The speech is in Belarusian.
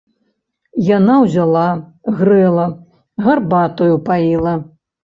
Яна ўзяла, грэла, гарбатаю паіла.